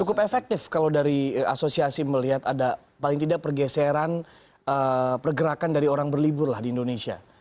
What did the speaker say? cukup efektif kalau dari asosiasi melihat ada paling tidak pergeseran pergerakan dari orang berlibur lah di indonesia